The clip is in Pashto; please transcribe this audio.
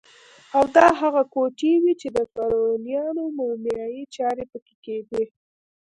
او دا هغه کوټې وې چې د فرعونیانو مومیایي چارې پکې کېدې.